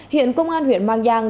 hiện công an huyện mang giang